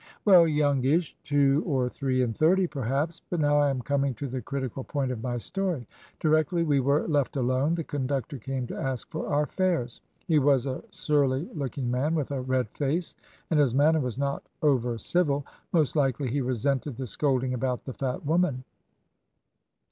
"Well, youngish; two or three and thirty, perhaps. But now I am coming to the critical point of my story. Directly we were left alone the conductor came to ask for our fares; he was a surly looking man, with a red face, and his manner was not over civil; most likely he resented the scolding about the fat woman.